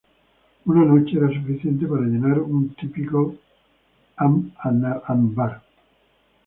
Una noche era suficiente para llenar un típico ab anbar.